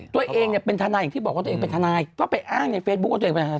ตัวเองเนี่ยเป็นทนายอย่างที่บอกว่าตัวเองเป็นทนายก็ไปอ้างในเฟซบุ๊คว่าตัวเองเป็นฮ